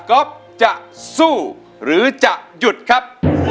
ก๊อฟจะสู้หรือจะหยุดครับ